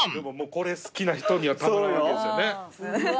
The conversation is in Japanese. これ好きな人にはたまらんわけですよね。